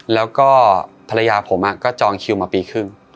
แล้วก็ภรรยาผมก็จองคิวมาปีครึ่ง